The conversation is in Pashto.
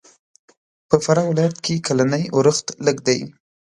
په فراه ولایت کښې کلنی اورښت لږ دی.